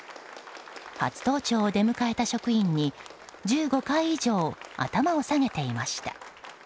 初登庁を出迎えた職員に１５回以上頭を下げていました。